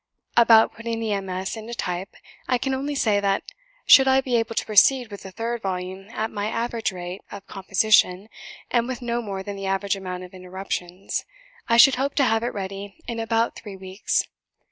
About putting the MS. into type, I can only say that, should I be able to proceed with the third volume at my average rate of composition, and with no more than the average amount of interruptions, I should hope to have it ready in about three weeks.